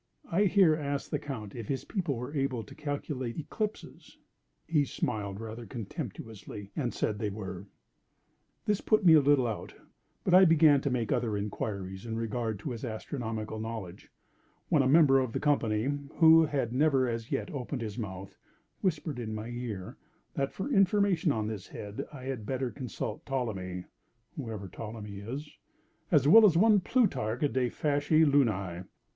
I here asked the Count if his people were able to calculate eclipses. He smiled rather contemptuously, and said they were. This put me a little out, but I began to make other inquiries in regard to his astronomical knowledge, when a member of the company, who had never as yet opened his mouth, whispered in my ear, that for information on this head, I had better consult Ptolemy (whoever Ptolemy is), as well as one Plutarch de facie lunae.